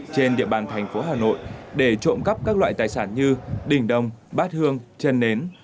trên địa bàn thành phố hà nội để trộm cắp các loại tài sản như đình đông bát hương chân nến